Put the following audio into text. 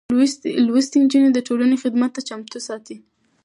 لوستې نجونې د ټولنې خدمت ته چمتو ساتي.